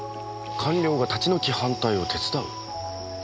官僚が立ち退き反対を手伝う？